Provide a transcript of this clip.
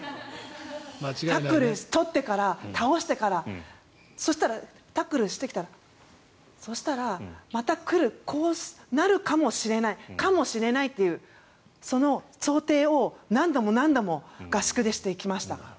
タックル取ってから、倒してからそしたら、タックルしてきたらそうしたら、また来るこうなるかもしれないかもしれないっていうその想定を、何度も何度も合宿でしてきました。